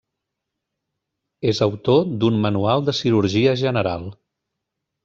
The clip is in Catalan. És autor d'un manual de cirurgia general.